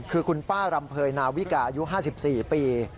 คือคุณป้ารำเภยนาวิกาอายุ๕๔ปี